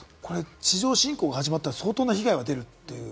地上侵攻が始まったら相当な被害が出る？